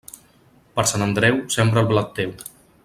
Per Sant Andreu, sembra el blat teu.